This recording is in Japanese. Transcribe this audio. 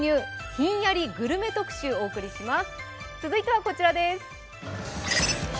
ひんやりグルメ特集をお送りします。